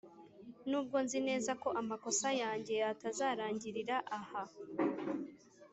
nubwo nzi neza ko amakosa yanjye atazarangirira aha,